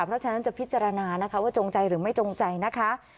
เพราะฉะนั้นจะพิจารณานะคะว่าจงใจหรือไม่จงใจนะคะ